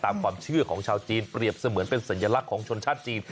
ตามความเชื่อของชาวจีนเปรียบเสมือนเป็นสัญลักษณ์ของชนชาติจีน